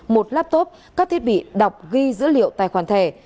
một laptop các thiết bị đọc ghi dữ liệu tài khoản thẻ